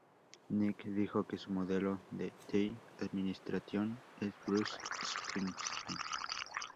Nick dijo que su modelo de The Administration es Bruce Springsteen.